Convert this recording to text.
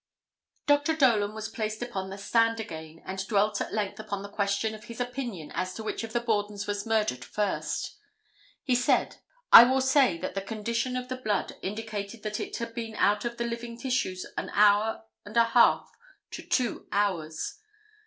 Dr. Dolan was placed upon the stand again and dwelt at length upon the question of his opinion as to which of the Bordens was murdered first. He said: "I will say that the condition of the blood indicated that it had been out of the living tissues an hour and a half to two hours.